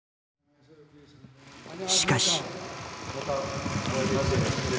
しかし。